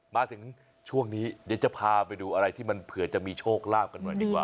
มาถึงช่วงนี้เดี๋ยวจะพาไปดูอะไรที่มันเผื่อจะมีโชคลาภกันหน่อยดีกว่า